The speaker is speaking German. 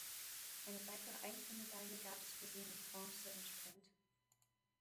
Eine weitere Einzelmedaille gab es für sie mit Bronze im Sprint.